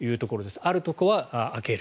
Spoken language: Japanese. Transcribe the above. あるところは開ける。